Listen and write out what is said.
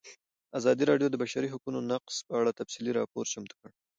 ازادي راډیو د د بشري حقونو نقض په اړه تفصیلي راپور چمتو کړی.